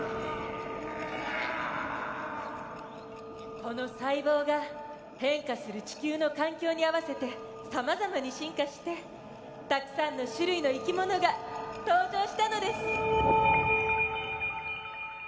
この細胞が変化する地球の環境に合わせてさまざまに進化してたくさんの種類のいきものが登場したのです。